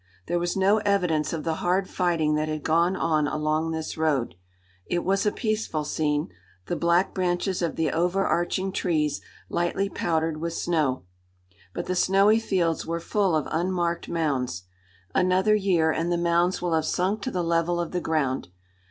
There was no evidence of the hard fighting that had gone on along this road. It was a peaceful scene, the black branches of the overarching trees lightly powdered with snow. But the snowy fields were full of unmarked mounds. Another year, and the mounds will have sunk to the level of the ground.